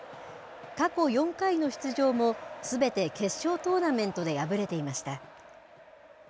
過去４回の出場も、すべて決勝トーナメントで敗れていました。